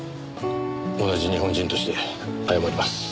同じ日本人として謝ります。